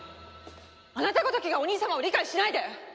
あなたごときがお兄様を理解しないで！